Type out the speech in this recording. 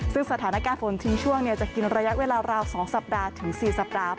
ซึ่งสถานการณ์ฝนทิ้งช่วงจะกินระยะเวลาราว๒สัปดาห์ถึง๔สัปดาห์